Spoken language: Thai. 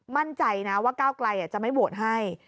มั่นใจนะว่าก้าวไกลจะไม่โหวตให้